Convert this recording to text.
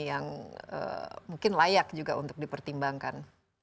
yang mungkin layak juga untuk dipertimbangkan